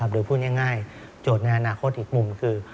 โดยพูดง่ายโจทย์ในอนาคตอีกมุมคือ